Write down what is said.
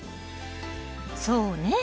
そうね。